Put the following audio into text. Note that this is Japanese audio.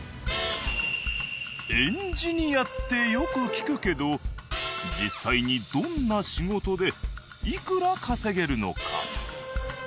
エンジニアってよく聞くけど実際にどんな仕事でいくら稼げるのか？